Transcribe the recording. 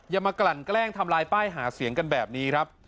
มากลั่นแกล้งทำลายป้ายหาเสียงกันแบบนี้ครับ